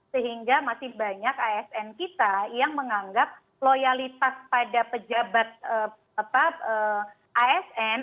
sehingga masih banyak asn kita yang menganggap loyalitas pada pejabat asn